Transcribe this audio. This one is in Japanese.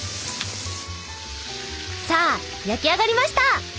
さあ焼き上がりました！